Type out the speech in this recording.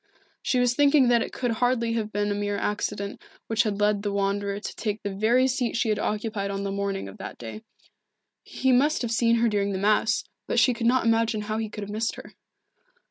She was thinking that it could hardly have been a mere accident which had led the Wanderer to take the very seat she had occupied on the morning of that day. He must have seen her during the Mass, but she could not imagine how he could have missed her.